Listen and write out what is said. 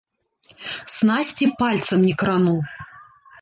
Снасці пальцам не крану.